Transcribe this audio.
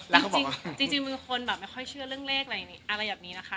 แล้วเขาบอกว่าจริงจริงมันคนแบบไม่ค่อยเชื่อเลิกอะไรอะไรอย่างนี้นะคะ